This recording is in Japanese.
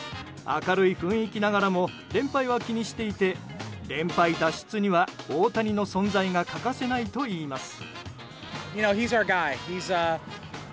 明るい雰囲気ながらも連敗は気にしていて連敗脱出には大谷の存在が欠かせないといいます。